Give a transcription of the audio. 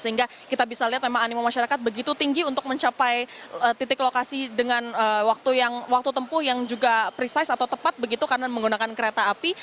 sehingga kita bisa lihat memang animo masyarakat begitu tinggi untuk mencapai titik lokasi dengan waktu tempuh yang juga precise atau tepat begitu karena menggunakan kereta api